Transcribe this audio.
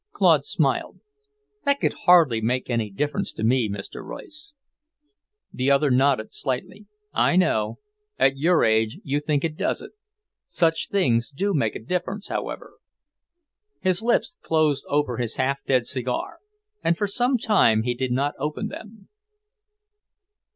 Claude smiled. "That could hardly make any difference to me, Mr. Royce." The other nodded slightly. "I know. At your age you think it doesn't. Such things do make a difference, however." His lips closed over his half dead cigar, and for some time he did not open them.